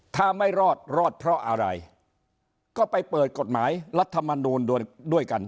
ถ้าไม่รอดรอดเพราะอะไรก็ไปเปิดกฎหมายรัฐมนูลด้วยกัน